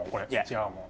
違うもん。